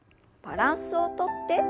バランスをとって。